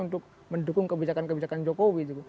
untuk mendukung kebijakan kebijakan jokowi